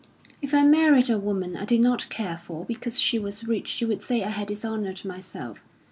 "If I married a woman I did not care for because she was rich, you would say I had dishonoured myself.